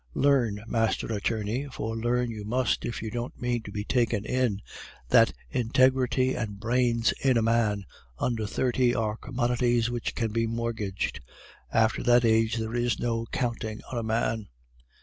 Learn, master attorney (for learn you must if you don't mean to be taken in), that integrity and brains in a man under thirty are commodities which can be mortgaged. After that age there is no counting on a man.